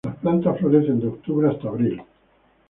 Las plantas florecen de octubre hasta abril.